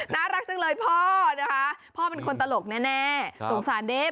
น่ารักจังเลยพ่อนะคะพ่อเป็นคนตลกแน่สงสารเด้